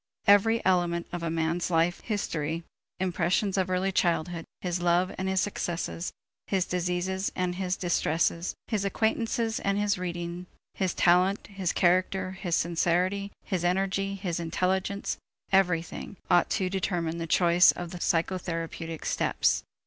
Every element of a man's life history, impressions of early childhood, his love and his successes, his diseases and his distresses, his acquaintances and his reading, his talent, his character, his sincerity, his energy, his intelligence everything ought to determine the choice of the psychotherapeutic steps.